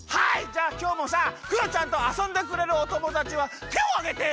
じゃあきょうもさクヨちゃんとあそんでくれるおともだちはてをあげて！